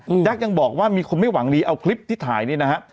แจ๊กยังบอกว่ามีคนไม่หวังดีเอาคลิปที่ถ่ายนี่นะฮะ